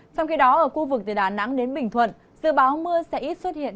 trong khi đó ở khu vực từ đà nẵng đến bình thuận dự báo mưa sẽ ít xuất hiện